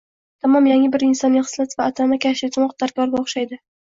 tamom yangi bir insoniy xislat va atama kashf etmoq darkorga o‘xshaydi.